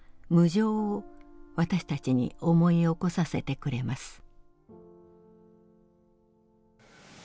無常を私たちに思い起こさせてくれます」。